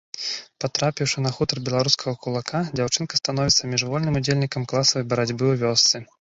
Патрапіўшы на хутар беларускага кулака, дзяўчынка становіцца міжвольным удзельнікам класавай барацьбы ў вёсцы.